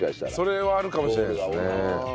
それはあるかもしれないですね。